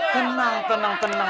tenang tenang tenang